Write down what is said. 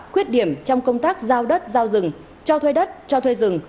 khuyết điểm trong công tác giao đất giao rừng cho thuê đất cho thuê rừng